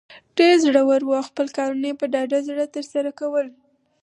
ډیر زړه ور وو او خپل کارونه یې په ډاډه زړه تر سره کول.